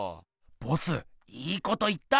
ボスいいこと言った！